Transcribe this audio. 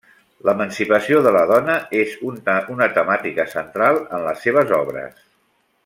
L'emancipació de la dona és una temàtica central en les seves obres.